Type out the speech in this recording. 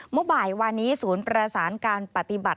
เมื่อบ่ายวานนี้ศูนย์ประสานการปฏิบัติ